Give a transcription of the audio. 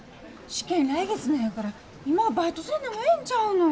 試験来月なんやから今はバイトせんでもええんちゃうの。